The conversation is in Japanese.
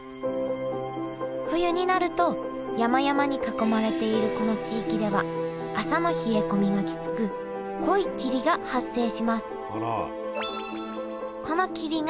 冬になると山々に囲まれているこの地域では朝の冷え込みがきつく濃い霧が発生します